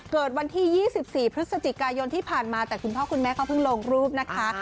เกิดวันที่๒๔พฤศจิกายนที่ผ่านมาแต่คุณพ่อคุณแม่เขาเพิ่งลงรูปนะคะ